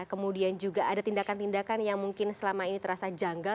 kemudian juga ada tindakan tindakan yang mungkin selama ini terasa janggal